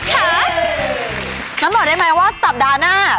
น้ำหลอดได้ไหมว่าสัปดาห์หน้า